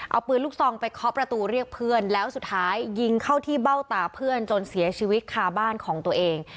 เอาปืนลูกซองไปเคาะประตูเรียกเพื่อนแล้วสุดท้ายยิงเข้าที่เบ้าตาเพื่อนจนเสียชีวิตคาบ้านของตัวเอง